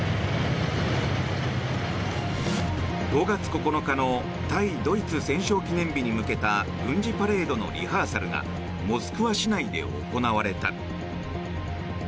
５月９日の対ドイツ戦勝記念日に向けた軍事パレードのリハーサルがモスクワ市内で行われた。